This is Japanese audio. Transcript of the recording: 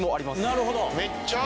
なるほど。